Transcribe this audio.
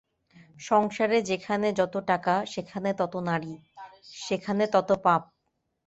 সংসারে যেখানে যত টাকা সেখানে তত নারী, সেখানে তত পাপ।